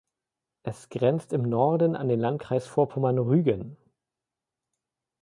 Es grenzt im Norden an den Landkreis Vorpommern-Rügen.